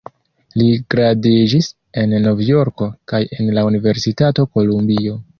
Li gradiĝis en Novjorko kaj en la Universitato Kolumbio.